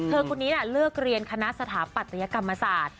คนนี้เลือกเรียนคณะสถาปัตยกรรมศาสตร์